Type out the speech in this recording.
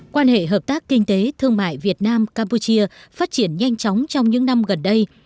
quan hệ hợp tác kinh tế thương mại việt nam campuchia phát triển nhanh chóng trong những năm gần đây